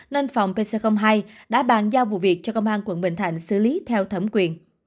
nên phòng pc hai đã bàn giao vụ việc cho công an quận bình thạnh xử lý theo thẩm quyền